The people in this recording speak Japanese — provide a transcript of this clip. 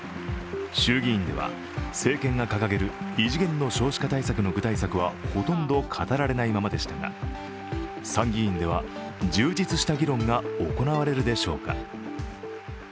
衆議院では、政権が掲げる異次元の少子化対策の具体策はほとんど語られないままでしたが、参議院では充実した議論が行われるでしょうか。